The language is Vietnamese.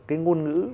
cái ngôn ngữ